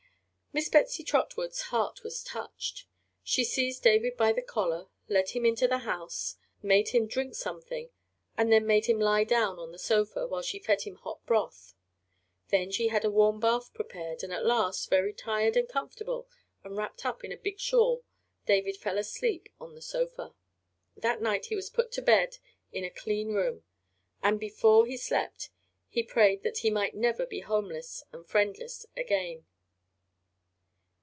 Miss Betsy Trotwood's heart was touched. She seized David by the collar, led him into the house, made him drink something and then made him lie down on the sofa while she fed him hot broth. Then she had a warm bath prepared, and at last, very tired and comfortable, and wrapped up in a big shawl, David fell asleep on the sofa. That night he was put to bed in a clean room, and before he slept he prayed that he might never be homeless and friendless again.